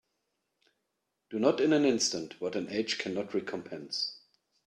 Do not in an instant what an age cannot recompense.